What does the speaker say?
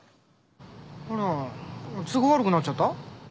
あら都合悪くなっちゃった？